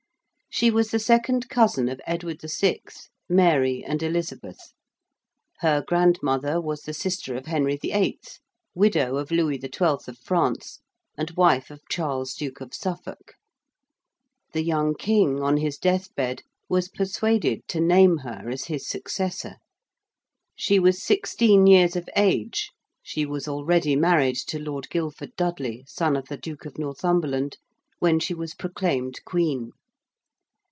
She was the second cousin of Edward VI., Mary, and Elizabeth. Her grandmother was the sister of Henry VIII., widow of Louis XII. of France, and wife of Charles, Duke of Suffolk. The young King on his deathbed was persuaded to name her as his successor. She was sixteen years of age: she was already married to Lord Guilford Dudley, son of the Duke of Northumberland: when she was proclaimed Queen.